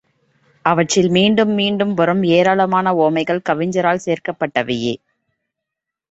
அவற்றில் மீண்டும் மீண்டும் வரும் ஏராளமான உவமைகள் கவிஞரால் சேர்க்கப்பட்டவையே.